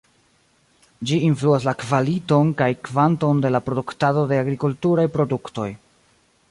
Ĝi influas la kvaliton kaj kvanton de la produktado de agrikulturaj produktoj.